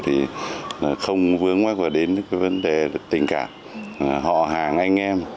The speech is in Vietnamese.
thì không vướng mắt vào đến cái vấn đề tình cảm họ hàng anh em